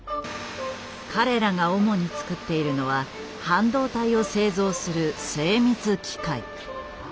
彼らが主に作っているのは半導体を製造する精密機械。